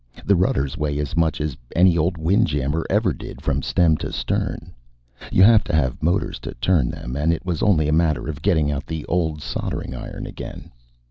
The rudders weigh as much as any old windjammer ever did from stem to stern; you have to have motors to turn them; and it was only a matter of getting out the old soldering iron again.